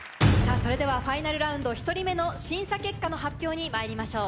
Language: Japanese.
ファイナルラウンド１人目の審査結果の発表にまいりましょう。